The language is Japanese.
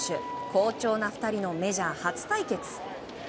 好調な２人のメジャー初対決。